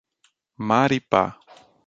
Maripá